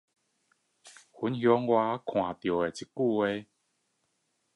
分享我看到的一句話